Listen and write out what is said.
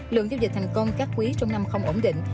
lượng giao dịch thành công các quý trong năm không ổn định